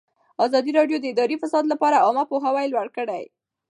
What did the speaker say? ازادي راډیو د اداري فساد لپاره عامه پوهاوي لوړ کړی.